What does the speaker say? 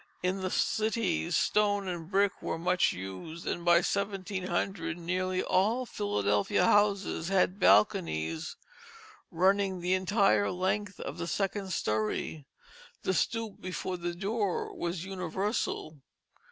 In the cities stone and brick were much used, and by 1700 nearly all Philadelphia houses had balconies running the entire length of the second story. The stoop before the door was universal.